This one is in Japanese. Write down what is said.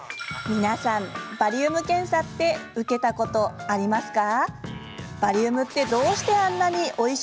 皆さん、バリウム検査って受けたことありますか？